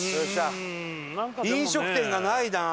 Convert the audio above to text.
飲食店がないな。